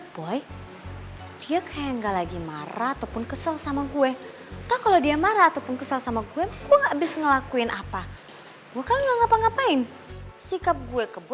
biasa aja gak nyebelin gak rese